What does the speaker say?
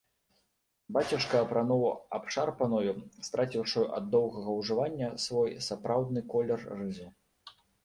Бацюшка апрануў абшарпаную, страціўшую ад доўгага ўжывання свой сапраўдны колер, рызу.